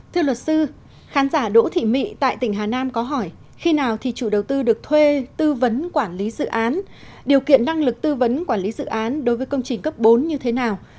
thưa luật sư khán giả đỗ thị mị tại tỉnh hà nam có hỏi khi nào thì chủ đầu tư được thuê tư vấn quản lý dự án điều kiện năng lực tư vấn quản lý dự án đối với công trình cấp bốn như thế nào